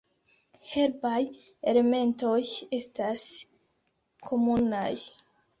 Herbaj elementoj estas komunaj.